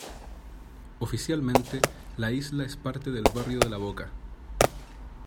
Oficialmente, la isla es parte del barrio de La Boca.